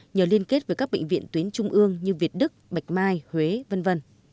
nhờ liên kết với các bệnh viện tuyến trung ương như việt đức bạch mai huế v v